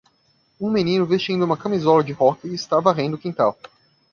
Um menino vestindo uma camisola de hóquei está varrendo o quintal.